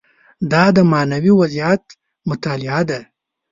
دا د معنوي وضعیت مطالعه ده.